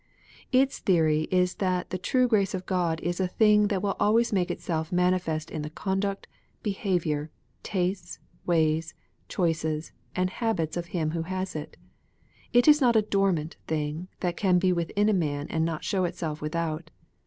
Its theory is that the true grace of God is a thing that will always make itself manifest in the conduct, behaviour, tastes, ways, choices, and habits of him who has it. It is not a dormant thing, that can be within a man and not show itself without.